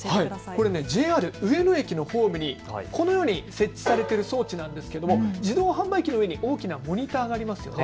これ、ＪＲ上野駅のホームにこのように設置されている装置なんですが、自動販売機のように大きなモニターがありますよね。